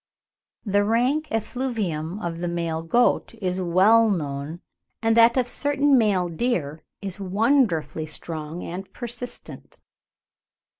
The rank effluvium of the male goat is well known, and that of certain male deer is wonderfully strong and persistent.